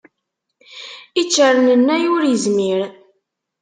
Iččernennay ur izmir.